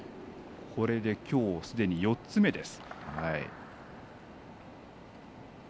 これできょうすでに４つ目です。